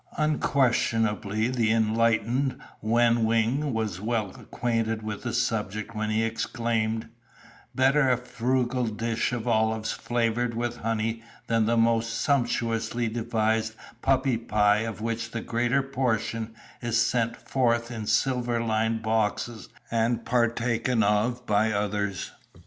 "Unquestionably the enlightened Wen weng was well acquainted with the subject when he exclaimed, 'Better a frugal dish of olives flavoured with honey than the most sumptuously devised puppy pie of which the greater portion is sent forth in silver lined boxes and partaken of by others.